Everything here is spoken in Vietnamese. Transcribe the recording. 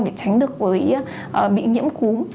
để tránh được bị nhiễm cúm